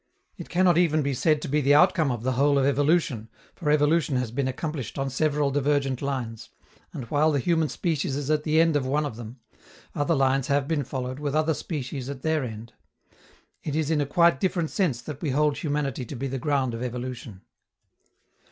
It cannot even be said to be the outcome of the whole of evolution, for evolution has been accomplished on several divergent lines, and while the human species is at the end of one of them, other lines have been followed with other species at their end. It is in a quite different sense that we hold humanity to be the ground of evolution.